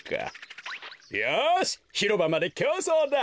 よしひろばまできょうそうだ！